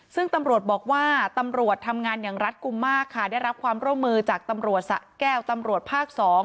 ซึ่งตำรวจบอกว่าตำรวจทำงานอย่างรัฐกลุ่มมากค่ะได้รับความร่วมมือจากตำรวจสะแก้วตำรวจภาค๒